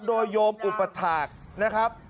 โดยโยมอุปถาคนะครับ